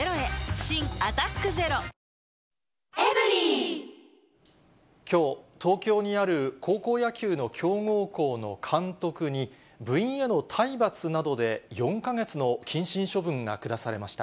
新「アタックＺＥＲＯ」きょう、東京にある高校野球の強豪校の監督に、部員への体罰などで４か月の謹慎処分が下されました。